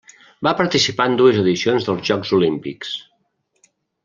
Va participar en dues edicions dels Jocs Olímpics.